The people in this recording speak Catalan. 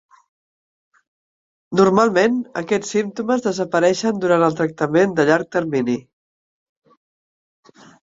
Normalment, aquests símptomes desapareixen durant el tractament de llarg termini.